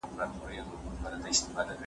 که مطرب او رباب نه وي که مستي او شباب نه وي